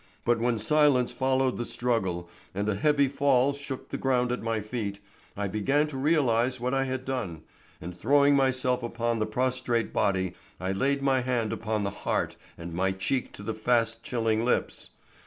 But when silence followed the struggle and a heavy fall shook the ground at my feet, I began to realize what I had done, and throwing myself upon the prostrate body, I laid my hand upon the heart and my cheek to the fast chilling lips.